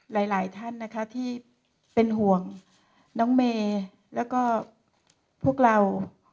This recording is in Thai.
หลายท่านนะคะที่เป็นห่วงน้องเมย์แล้วก็พวกเรา